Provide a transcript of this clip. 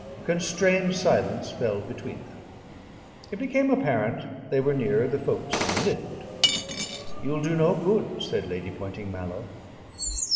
A constrained silence fell between them. It became apparent they were near the Folkestone Lift. "You'll do no good," said Lady Poynting Mallow.